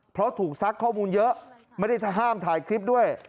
เพราะถูกซักข้อมูลเยอะไม่ได้ห้ามถ่ายคลิปด้วย